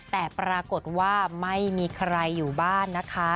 แต่ปรากฏว่าไม่มีใครอยู่บ้านนะคะ